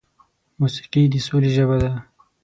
موسیقي د سولې ژبه ده.